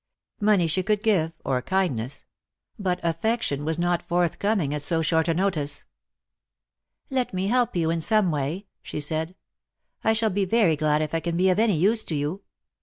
Money she could give, or kindness ; but affection was not forth coming at so short a notice. " Let me help you in some way," she said. " I shall be very glad if I can be of any use to you.